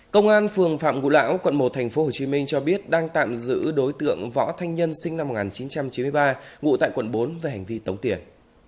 công an phường phạm ngũ lão quận một tp hcm cho biết đang tạm giữ đối tượng võ thanh nhân sinh năm một nghìn chín trăm chín mươi ba ngụ tại quận bốn về hành vi tống tiền